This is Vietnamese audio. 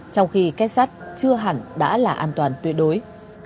trong khi kết sắt chưa hẳn đã là an toàn tuyệt đối